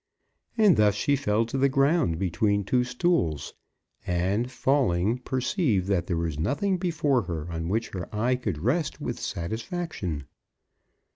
And thus she fell to the ground between two stools, and, falling, perceived that there was nothing before her on which her eye could rest with satisfaction.